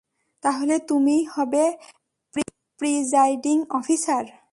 তাহলে তুমিই হবে প্রিজাইডিং অফিসার।